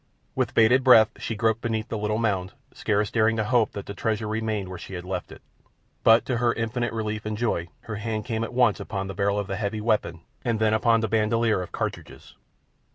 With bated breath she groped beneath the little mound, scarce daring to hope that the treasure remained where she had left it; but, to her infinite relief and joy, her hand came at once upon the barrel of the heavy weapon and then upon the bandoleer of cartridges.